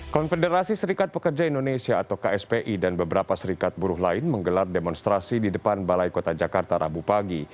konfederasi serikat pekerja indonesia atau kspi dan beberapa serikat buruh lain menggelar demonstrasi di depan balai kota jakarta rabu pagi